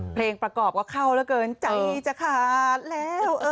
เพลงประกอบก็เข้าเหลือเกินใจจะขาดแล้ว